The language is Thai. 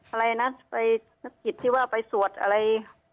อะไรนะไปสะกิดที่ว่าไปสวดอะไร